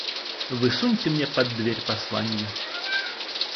Вы суньте мне под дверь посланье.